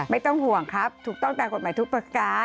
ไม่ต้องห่วงครับถูกต้องตามกฎหมายทุกประการ